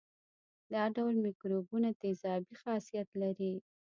دا ډول مرکبونه تیزابي خاصیت لري.